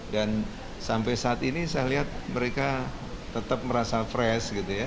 dan sampai saat ini saya lihat mereka tetap merasa fresh gitu ya